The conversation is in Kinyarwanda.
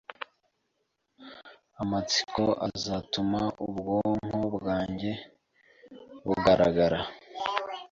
Amatsiko azatuma ubwonko bwanjye bugaragara,